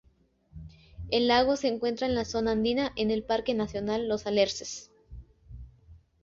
El lago se encuentra en la zona andina en el Parque nacional Los Alerces.